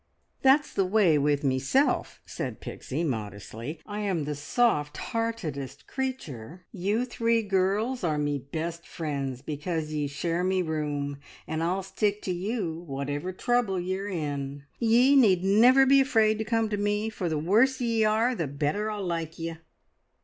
"That's the way with meself," said Pixie modestly. "I'm the soft heartedest creature! You three girls are me best friends because ye share me room, and I'll stick to you, whatever trouble ye're in. Ye need never be afraid to come to me, for the worse ye are, the better I'll like ye!"